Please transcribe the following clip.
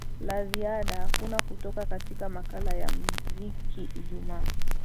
la ziada hakuna kutoka katika makala ya mziki ijumaa